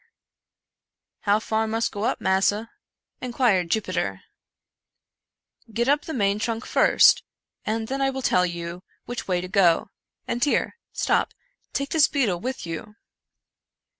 "How far mus' go up, massa?" inquired Jupiter. " Get up the main trunk first, and then I will tell you which wav to go — and here — stop! take this beetle with you."